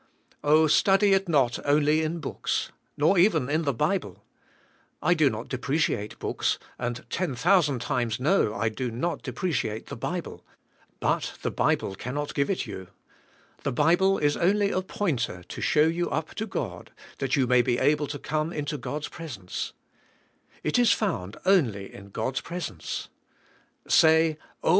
Oh ! study it not only in books, nor even in the Bible. I do not depreciate books, and ten thousand times, no, I do not depreciate the Bible, but the Bible cannot give it you. The Bible is only a pointer to show you up to God, that you may be able to come into God's presence. It is found only THK HKAVKNI^Y TRKASURE). 163 in God's presence. Say, Oh